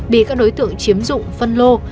bị các đối tượng chiếm dụng phân lô